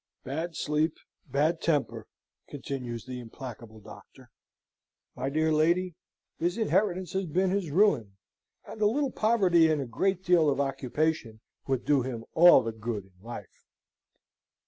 " Bad sleep, bad temper," continues the implacable doctor. "My dear lady, his inheritance has been his ruin, and a little poverty and a great deal of occupation would do him all the good in life."